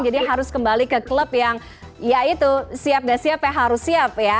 jadi harus kembali ke klub yang siap nggak siap harus siap